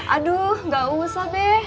aduh gak usah be